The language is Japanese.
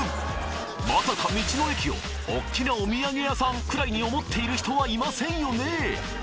まさか道の駅をおっきなお土産屋さんくらいに思っている人はいませんよね！？